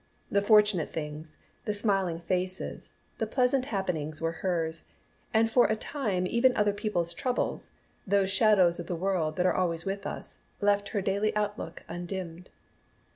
The fortunate things, the smiling faces, the pleasant happenings were hers, and for a time even other people's troubles, those shadows of the world that are always with us, left her daily outlook undimmed.